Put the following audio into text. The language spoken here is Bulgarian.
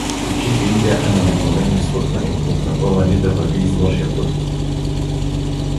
Очите й бяха необикновено изпъкнали от напъване да върви из лошия път.